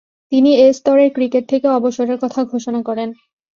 তিনি এ স্তরের ক্রিকেট থেকে অবসরের কথা ঘোষণা করেন।